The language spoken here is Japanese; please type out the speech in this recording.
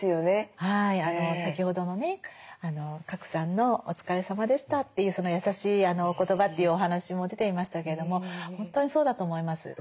先ほどのね賀来さんの「お疲れさまでした」っていうその優しいお言葉というお話も出ていましたけれども本当にそうだと思います。